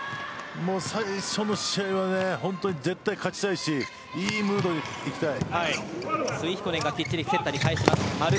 最初の試合は絶対に勝ちたいしいいムードでいきたい。